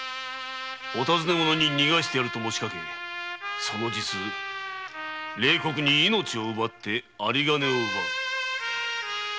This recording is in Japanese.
お尋ね者に逃がしてやるともちかけその実冷酷に命を奪って有り金を奪う「逃がし屋」の黒幕。